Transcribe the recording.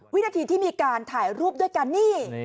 วินาทีที่มีการถ่ายรูปด้วยกันนี่